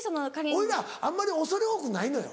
俺らあまり恐れ多くないのよ。